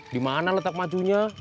dimana letak majunya